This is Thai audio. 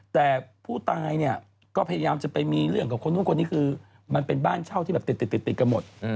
แต่ผู้ตายเนี่ยก็พยายามจะไปมีเรื่องกับคนนู้นคนนี้คือมันเป็นบ้านเช่าที่แบบติดกันหมด